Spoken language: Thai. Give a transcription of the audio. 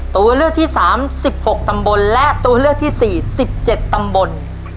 ตัวเลือดที่สามสิบหกตำบลและตัวเลือดที่สี่สิบเจ็ดตำบล